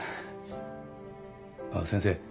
あっ先生。